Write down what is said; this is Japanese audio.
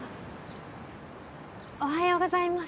おはようございます。